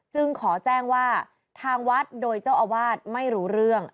ขอแจ้งว่าทางวัดโดยเจ้าอาวาสไม่รู้เรื่อง